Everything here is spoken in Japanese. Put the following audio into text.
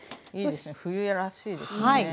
いいですね冬らしいですね。